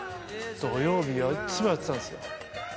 土曜日はいつもやってたんですよ。